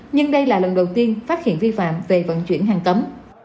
nhưng đây là lần đầu tiên phát hiện vi phạm về vận chuyển hàng cấm